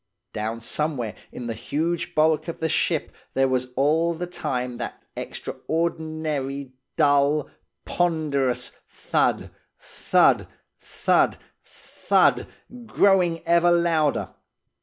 "Down somewhere in the huge bulk of the ship there was all the time that extraordinary dull, ponderous thud, thud, thud, thud growing ever louder.